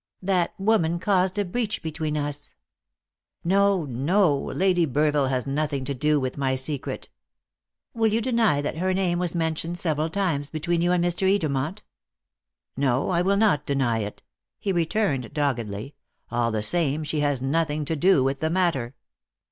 That woman caused a breach between us " "No, no! Lady Burville has nothing to do with my secret." "Will you deny that her name was mentioned several times between you and Mr. Edermont?" "No, I will not deny it," he returned doggedly. "All the same, she has nothing to do with the matter."